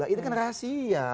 itu kan rahasia